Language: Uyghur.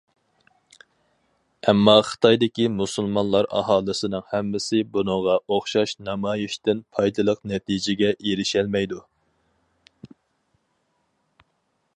ئەمما خىتايدىكى مۇسۇلمانلار ئاھالىسىنىڭ ھەممىسى بۇنىڭغا ئوخشاش نامايىشتىن پايدىلىق نەتىجىگە ئېرىشەلمەيدۇ.